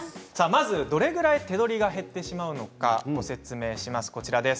まず、どれくらい手取りが減ってしまうのかご説明します。